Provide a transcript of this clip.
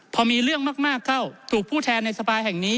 พอมีเรื่องมากเข้าถูกผู้แทนในสภาแห่งนี้